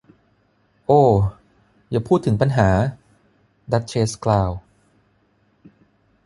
โอ้ อย่าพูดถึงปัญหา ! ดัชเชสกล่าว